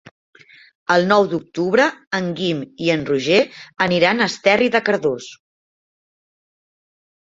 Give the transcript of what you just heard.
El nou d'octubre en Guim i en Roger aniran a Esterri de Cardós.